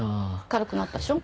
軽くなったでしょ？